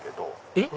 えっ？